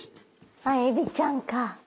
ああエビちゃんか。